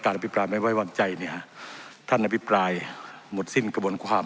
อภิปรายไม่ไว้วางใจเนี่ยท่านอภิปรายหมดสิ้นกระบวนความ